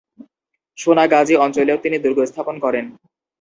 সোনাগাজী অঞ্চলেও তিনি দুর্গ স্থাপন করেন।